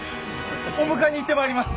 お迎えに行ってまいります！